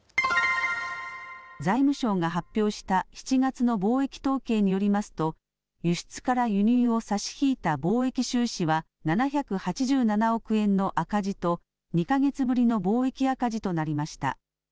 財務省が発表した７月の貿易統計によりますと輸出から輸入を差し引いた貿易収支は７８７億円の赤字と２か月ぶりの貿易赤字となりました。